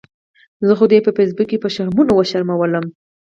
زه خو دې په فیسبوک کې په شرمونو وشرمؤلم